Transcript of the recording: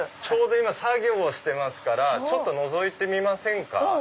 ちょうど今作業してますからのぞいてみませんか？